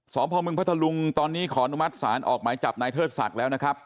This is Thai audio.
พ่อมึงตอนนี้ขออนุมัติศาลออกหมายจับนายเทิดศักดิ์แล้วนะครับ